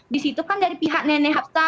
disitu kan dari pihak nenek afsa